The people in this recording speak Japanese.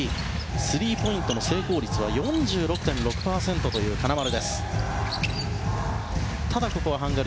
スリーポイントの成功率は４６．６％という金丸です。